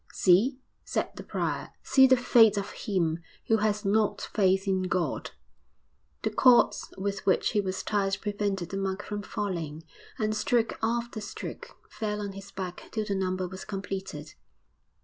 'See!' said the prior. 'See the fate of him who has not faith in God!' The cords with which he was tied prevented the monk from falling, and stroke after stroke fell on his back till the number was completed.